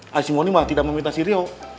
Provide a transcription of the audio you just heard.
tapi si mondi mah tidak memfitnah si sirio